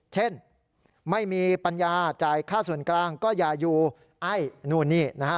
เช่นไม่มีปัญญาจ่ายค่าส่วนกลางก็อย่าอยู่ไอ้นู่นนี่นะฮะ